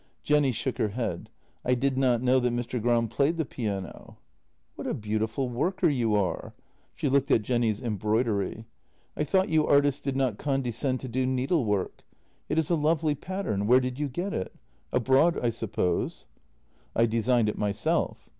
Jenny shook her head: "I did not know that Mr. Gram played the piano." " What a beautiful worker you are." She looked at Jenny's embroidery. " I thought you artists did not condescend to do needlework. It is a lovely pattern — where did you get it ? Abroad, I suppose? "" I designed it myself."